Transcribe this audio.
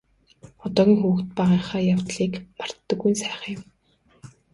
Одоогийн хүүхэд багынхаа явдлыг мартдаггүй нь сайхан юм.